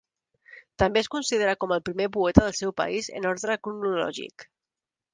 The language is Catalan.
També és considerat com el primer poeta del seu país en ordre cronològic.